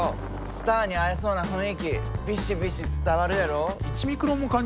スターに会えそうな雰囲気ビシビシ伝わるやろ？